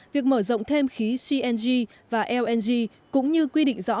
việc mở rộng thêm khí cng và lng cũng như quy định rõ